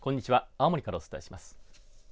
青森からお伝えします。